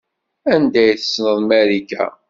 Anda ay tessneḍ Marika?